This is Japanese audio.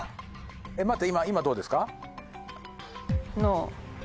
待って今どうですか？